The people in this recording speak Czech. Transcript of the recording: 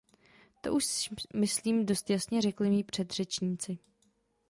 To už myslím dost jasně řekli mí předřečníci.